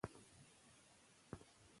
سمه ژباړه د مفهوم انتقال دی.